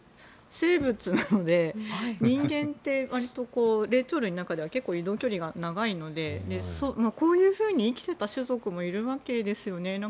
生物なので人間ってわりと霊長類の中では結構、移動距離が長いのでこういうふうに生きていた種族もいるわけですよね。